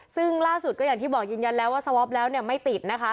ซึ่งล่าสุดก็อย่างที่บอกยืนยันแล้วว่าสวอปแล้วเนี่ยไม่ติดนะคะ